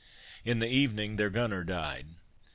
In the evening their gunner died.